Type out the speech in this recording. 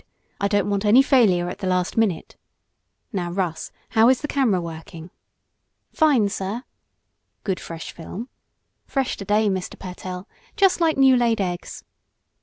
I don't want any failure at the last minute. Now, Russ, how is the camera working?" "Fine, sir." "Good fresh film?" "Fresh to day, Mr. Pertell just like new laid eggs."